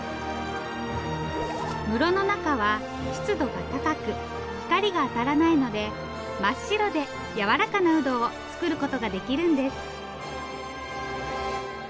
室の中は湿度が高く光が当たらないので真っ白でやわらかなウドを作ることができるんですええ